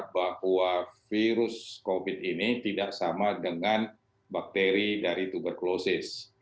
bahwa virus covid ini tidak sama dengan bakteri dari tuberkulosis